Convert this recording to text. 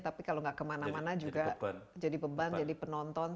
tapi kalau nggak kemana mana juga jadi beban jadi penonton